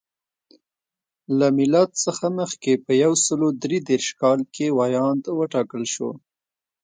له میلاد څخه مخکې په یو سل درې دېرش کال کې ویاند وټاکل شو.